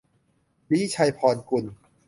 ลี้ชัยพรกุล